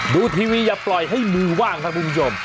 ดูทีวีอย่าปล่อยให้มือว่างครับคุณผู้ชม